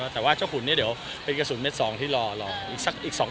แต่ว่าเจ้าขุนนี้เดี๋ยวเป็นกระสุนเม็ด๒ที่รออีกสักอีก๒คน